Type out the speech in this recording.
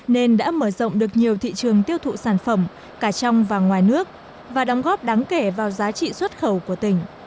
nên đã mở rộng được nhiều thị trường tiêu thụ sản phẩm cả trong và ngoài nước và đóng góp đáng kể vào giá trị xuất khẩu của tỉnh